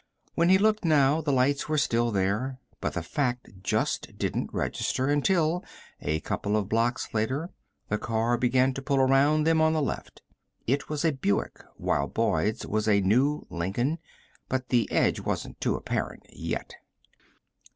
When he looked now, the lights were still there but the fact just didn't register until, a couple of blocks later, the car began to pull around them on the left. It was a Buick, while Boyd's was a new Lincoln, but the edge wasn't too apparent yet.